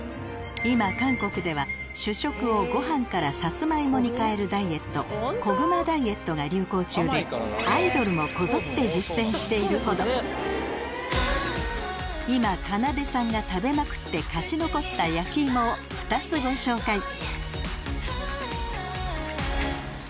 今韓国では主食をご飯からサツマイモに変えるダイエットが流行中でアイドルもこぞって実践しているほど今かなでさんが食べまくって勝ち残った焼き芋を２つご紹介